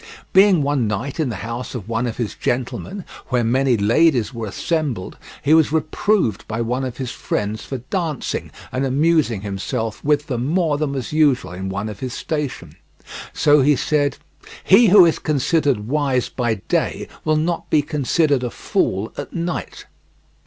Being one night in the house of one of his gentlemen where many ladies were assembled, he was reproved by one of his friends for dancing and amusing himself with them more than was usual in one of his station, so he said: "He who is considered wise by day will not be considered a fool at night."